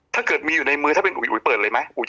ถ้าเกิดมีอยู่ในมือถ้าเป็นอุ๋ยอุ๋ยเปิดเลยไหม